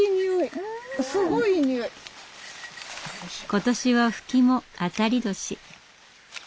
今年はフキも当たり年。